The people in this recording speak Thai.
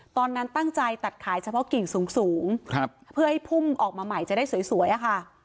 ตอนนั้นตั้งใจตัดขายเฉพาะกิ่งสูงเพื่อให้พุ่งออกมาใหม่จะได้สวยอะค่ะ